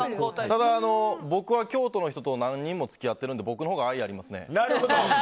ただ、僕は京都の人と何人も付き合ってるので僕のほうが愛がありますね。